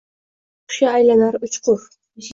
Koʼngil qushga aylanar — uchqur